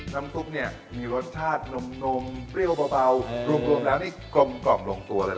น้ำตุ๊บเนี่ยมีรสชาตินมนมเปรี้ยวเบาเบารวมรวมแล้วนี่กล่อมกล่อมลงตัวเลย